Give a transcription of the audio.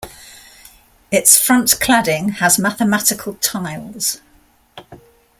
Its front cladding has mathematical tiles.